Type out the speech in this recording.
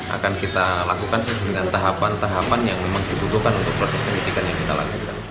akan kita lakukan sesuai dengan tahapan tahapan yang memang dibutuhkan untuk proses pendidikan yang kita lakukan